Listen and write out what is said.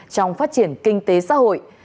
trong phát triển kinh tế xã hội